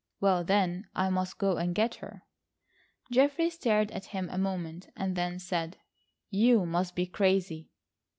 "Well, then, I must go and get her." Geoffrey stared at him a moment, and then said: "You must be crazy."